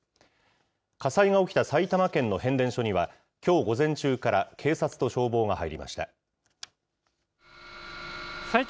火災が起きた埼玉県の変電所には、きょう午前中から、警察と消防が入りました。